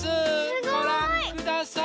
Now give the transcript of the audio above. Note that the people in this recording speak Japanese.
ごらんください。